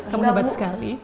kamu hebat sekali